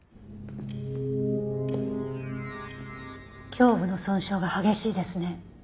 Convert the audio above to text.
胸部の損傷が激しいですね。